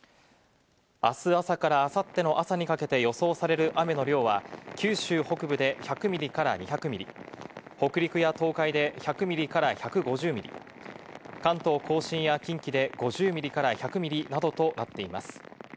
あす朝からあさっての朝にかけて、予想される雨の量は、九州北部で１００ミリから２００ミリ、北陸や東海で１００ミリから１５０ミリ、関東甲信や近畿で５０ミリから１００ミリなどとなっています。